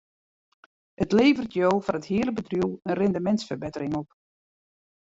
It leveret jo foar it hiele bedriuw in rindemintsferbettering op.